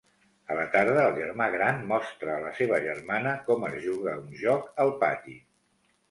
A la tarda, el germà gran mostra a la seva germana com es juga a un joc al pati.